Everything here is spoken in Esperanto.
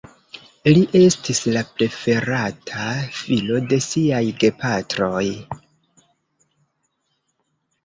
Li estis la preferata filo de siaj gepatroj.